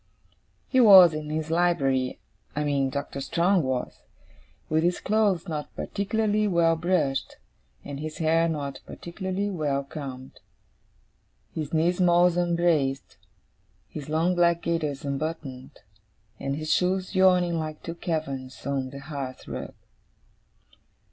He was in his library (I mean Doctor Strong was), with his clothes not particularly well brushed, and his hair not particularly well combed; his knee smalls unbraced; his long black gaiters unbuttoned; and his shoes yawning like two caverns on the hearth rug.